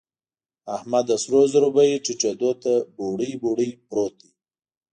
احمد د سرو زرو بيې ټيټېدو ته بوړۍ بوړۍ پروت دی.